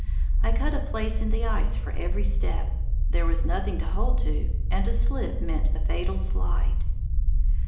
I cut a place in the ice for every step. There was nothing to hold to, and a slip meant a fatal slide.